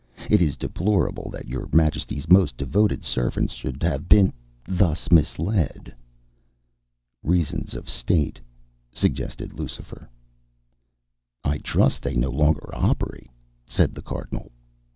It is deplorable that your Majesty's most devoted servants should have been thus misled." "Reasons of State," suggested Lucifer. "I trust that they no longer operate," said the Cardinal.